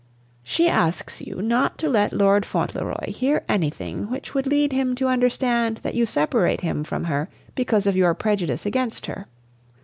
"She asks you not to let Lord Fauntleroy hear anything which would lead him to understand that you separate him from her because of your prejudice against her.